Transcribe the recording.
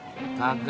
sampai jumpa lagi